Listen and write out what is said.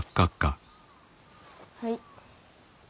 はい。